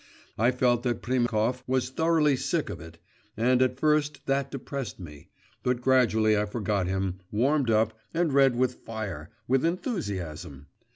I felt that Priemkov was thoroughly sick of it, and at first that depressed me, but gradually I forgot him, warmed up, and read with fire, with enthusiasm.